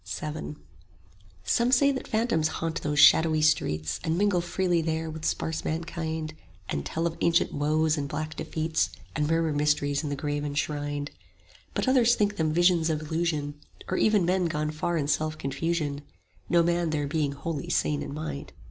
VII Some say that phantoms haunt those shadowy streets, And mingle freely there with sparse mankind; And tell of ancient woes and black defeats, And murmur mysteries in the grave enshrined: But others think them visions of illusion, 5 Or even men gone far in self confusion; No man there being wholly sane in mind.